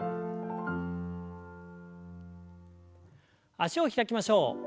脚を開きましょう。